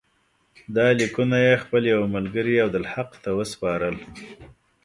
دا لیکونه یې خپل یوه ملګري عبدالحق ته وسپارل.